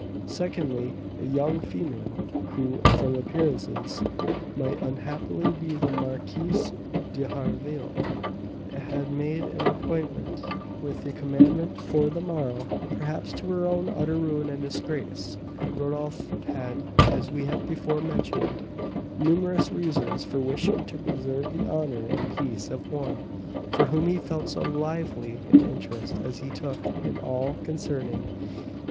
Secondly, a young female, who, from appearances, might unhappily be the Marquise d'Harville, had made an appointment with the commandant for the morrow, perhaps to her own utter ruin and disgrace; and Rodolph had (as we have before mentioned) numerous reasons for wishing to preserve the honour and peace of one for whom he felt so lively an interest as he took in all concerning M.